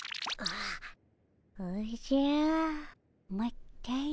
おじゃまったり。